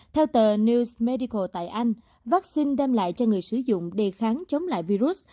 theo tờ news medical tại anh vaccine đem lại cho người sử dụng đề kháng chống lại virus